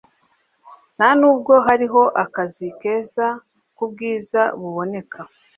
ntanubwo hariho akazi keza kubwiza buboneka